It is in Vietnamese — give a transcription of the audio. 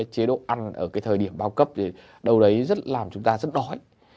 chế độ ăn ở thời điểm bao cấp thì đâu đấy làm chúng ta rất đói